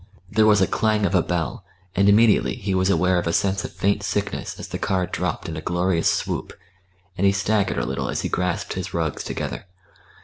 There was a clang of a bell, and immediately he was aware of a sense of faint sickness as the car dropped in a glorious swoop, and he staggered a little as he grasped his rugs together.